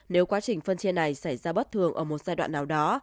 nếu quá trình phân chia này xảy ra bất thường ở một giai đoạn nào đó